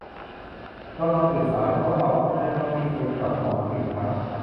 เรานอนตื่นสาย เพราะเราไม่ต้องรีบไปจับหนอนตื่นเช้า